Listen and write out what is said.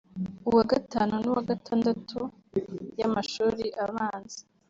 uwa gatanu n’uwa gatandatu y’amashuri abanza